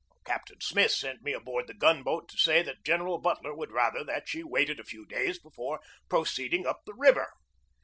Captain Smith sent me aboard the gun boat to say that General Butler would rather that she waited a few days before proceeding up the river.